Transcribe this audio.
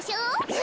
え！